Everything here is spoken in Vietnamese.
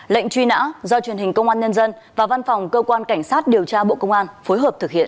lệnh truy nã do truyền hình công an nhân dân và văn phòng cơ quan cảnh sát điều tra bộ công an phối hợp thực hiện